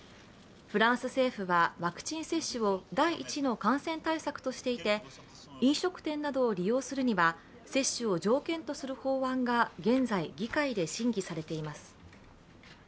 フランス政府は、ワクチン接種を第一の感染対策としていて飲食店などを利用するには接種を条件とする法案が現在、議会で審議されています。